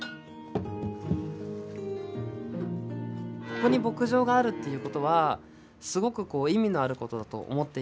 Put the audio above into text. ここに牧場があるっていうことはすごく意味のあることだと思っていて。